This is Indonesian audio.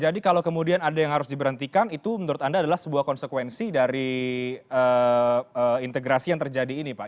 jadi kalau kemudian ada yang harus diberhentikan itu menurut anda adalah sebuah konsekuensi dari integrasi yang terjadi ini pak